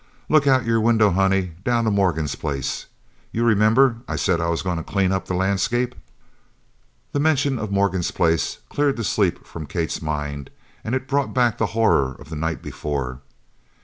"Look out your window, honey, down to Morgan's place. You remember I said I was goin' to clean up the landscape?" The mention of Morgan's place cleared the sleep from Kate's mind and it brought back the horror of the night before.